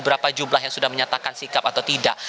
berapa jumlah yang sudah menyatakan sikap atau tidak